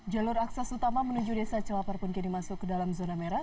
jalur akses utama menuju desa celapar pun kini masuk ke dalam zona merah